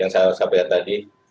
yang saya sampaikan tadi